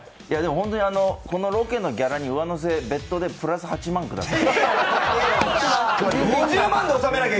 本当に、このロケのギャラに上乗せで８万ください。